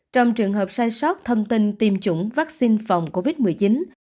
trong trường hợp sai sót thông tin tiêm chủng vaccine phòng covid một mươi chín